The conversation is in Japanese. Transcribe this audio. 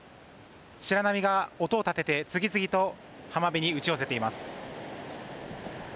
白波が音を立てて次々と浜辺に打ち寄せています。